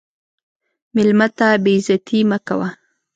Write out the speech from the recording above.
مېلمه ته بې عزتي مه کوه.